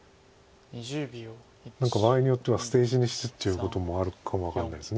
何か場合によっては捨て石にするっていうこともあるかも分かんないです